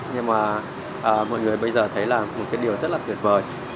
nhưng mà mọi người bây giờ thấy là một cái điều rất là tuyệt vời